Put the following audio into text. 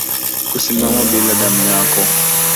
Kusimama bila damu yako